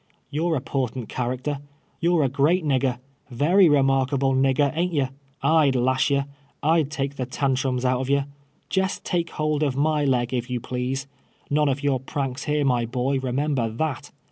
You're a 'portant character — 'you're a great nigger — very re markable nigger, ain't ye? I'^d lash you — /V7 take the tantrums out of ye. Jest take hold of my leg, if vou please. Kone of your pranks here, my boy, re member that.